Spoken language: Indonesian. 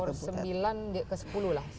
ke sembilan ke sepuluh lah